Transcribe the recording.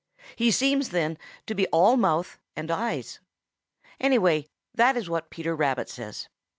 He seems then to be all mouth and eyes. Anyway, that is what Peter Rabbit says.